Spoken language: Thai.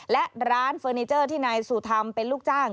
และร้านเฟอร์นิเจอร์ที่นายสุธรรมเป็นลูกจ้าง